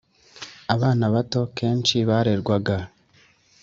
Abana bato akenshi barerwaga